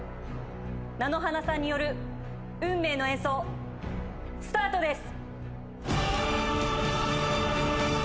なのはなさんによる運命の演奏スタートです。